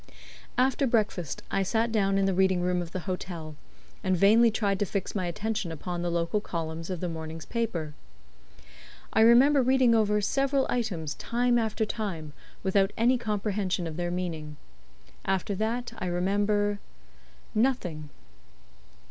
After breakfast I sat down in the reading room of the hotel, and vainly tried to fix my attention upon the local columns of the morning's paper. I remember reading over several items time after time, without any comprehension of their meaning. After that I remember nothing.